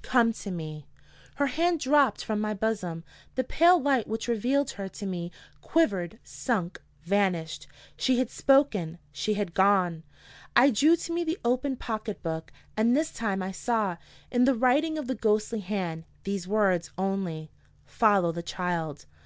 Come to me." Her hand dropped from my bosom. The pale light which revealed her to me quivered, sunk, vanished. She had spoken. She had gone. I drew to me the open pocket book. And this time I saw, in the writing of the ghostly hand, these words only: _"Follow the Child."